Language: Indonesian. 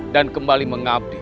dan kembali mengabdi